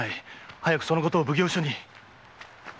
早くそのことを奉行所に